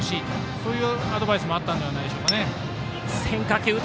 そういうアドバイスもあったのではないでしょうか。